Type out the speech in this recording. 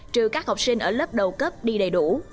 trừ các học sinh ở lớp đầu cấp đi đầy đủ